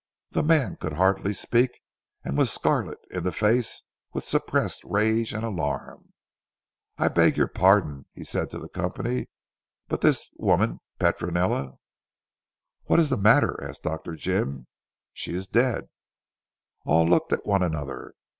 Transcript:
The man could hardly speak, and was scarlet in the face with suppressed rage and alarm. "I beg your pardon," he said to the company; "but this woman Petronella " "What is the matter?" asked Dr. Jim. "She is dead." All looked at one another.